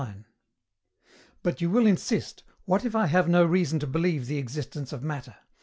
79. But, you will insist, what if I have no reason to believe the existence of Matter?